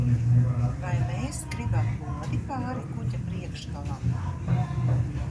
Vai mēs gribam lodi pāri kuģa priekšgalam?